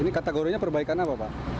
ini kategorinya perbaikan apa pak